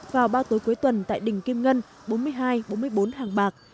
vào ba tối cuối tuần tại đình kim ngân bốn mươi hai bốn mươi bốn hàng bạc